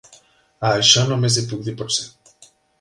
A això només hi puc dir potser.